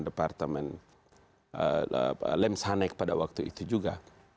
departemen pertahanan departemen lems hanec pada waktu itu juga